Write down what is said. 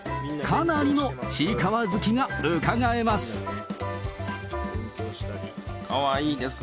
かなりのちいかわ好きがうかがえます。